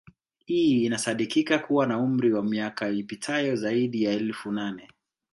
Hii inasadikika kuwa na umri wa miaka ipitayo zaidi ya elfu nane